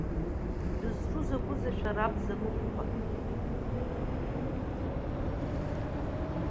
Шәызҿу закәызеи шәара, абзамыҟәқәа?